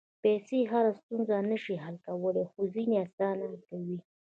پېسې هره ستونزه نه شي حل کولی، خو ځینې اسانه کوي.